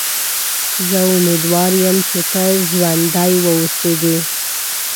زه امیدوار یم چې ته ژوندی و اوسېږې.